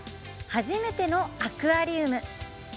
初めてのアクアリウム。